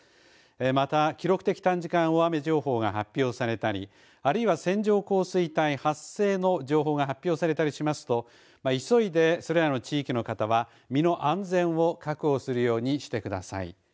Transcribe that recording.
また、記録的短時間大雨情報が発表されたりあるいは線状降水帯発生の情報が発表されたりしますと急いで、それらの地域の方は身の安全を確保するようにしてください。